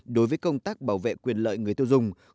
đối với công tác bảo vệ quyền lợi người tiêu dùng